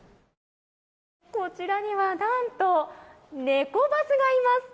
こちらには何とネコバスがいます！